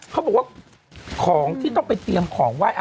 เขาบอกว่าของที่ต้องไปเตรียมของไหว้